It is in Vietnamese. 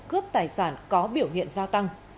cướp tài sản có biểu hiện gia tăng